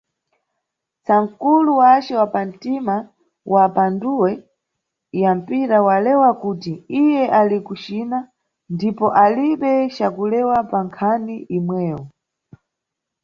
Tsankulu wace wa pa ntima wa mphanduwe ya mpira walewa kuti iye ali ku China, ndipo alibe ca kulewa pa nkhani imweyo.